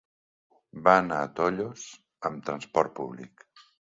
Va anar a Tollos amb transport públic.